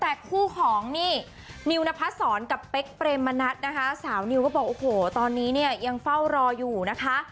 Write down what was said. แต่คู่ของนี่นิวนพัดศรกับเป๊กเปรมมะนัดนะคะสาวนิวก็บอกโอ้โหตอนนี้เนี่ยยังเฝ้ารออยู่นะคะ